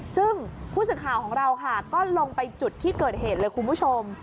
ซึ่งผู้สื่อข่าวของเราค่ะก็ลงไปจุดที่เกิดเหตุเลยคุณผู้ชม